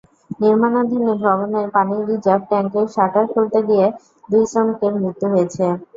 নির্মাণাধীন ভবনের পানির রিজার্ভ ট্যাংকের শাটার খুলতে গিয়ে দুই শ্রমিকের মৃত্যু হয়েছে।